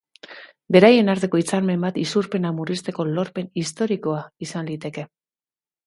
Beraien arteko hitzarmen bat isurpenak murrizteko lorpen historikoa izan liteke.